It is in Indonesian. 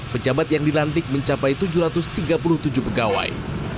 pejabat yang dilantik mencapai tujuh ratus tiga puluh tujuh pegawai